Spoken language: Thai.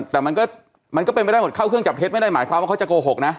แต่มันก็เป็นไปได้หมดเข้าเครื่องจับเท็จไม่ได้หมายความว่าเขาจะโกหกนะ